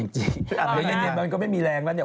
เย็นมันก็ไม่มีแรงแล้วเนี่ย